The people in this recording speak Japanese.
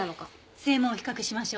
声紋を比較しましょう。